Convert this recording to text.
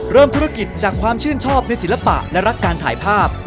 เริ่มธุรกิจจากความชื่นชอบในศิลปะและรักการถ่ายภาพ